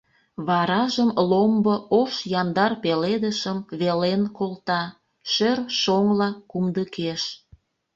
Варажым ломбо ош-яндар пеледышым Велен колта шӧр шоҥла кумдыкеш…